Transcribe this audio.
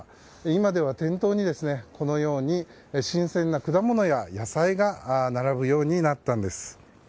今では店頭に新鮮な果物や野菜が並ぶようになったんです。